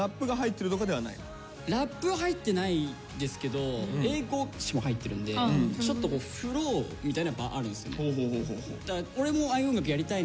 ラップは入ってないですけど英語詞も入ってるんでちょっとフロウみたいなのがあるんすね。